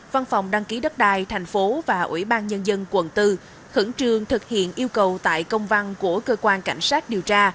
văn phòng đăng ký đất đai tp và ủy ban nhân dân quận bốn khẩn trương thực hiện yêu cầu tại công văn của cơ quan cảnh sát điều tra